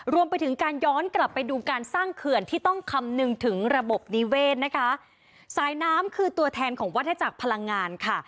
รวมไปถึงการย้อนกลับไปดูการสร้างเขื่อนที่ต้องคำนึงถึงระบบนิเวศนะคะสายน้ำคือตัวแทนของวัฒนาจักรพลังงานค่ะ